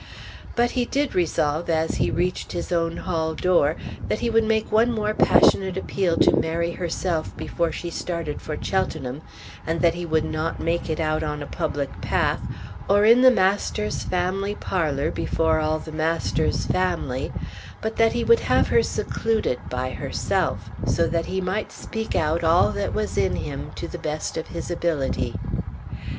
But he did resolve as he reached his own hall door that he would make one more passionate appeal to Mary herself before she started for Cheltenham, and that he would not make it out on a public path, or in the Masters' family parlour before all the Masters' family; but that he would have her secluded, by herself, so that he might speak out all that was in him, to the best of his ability.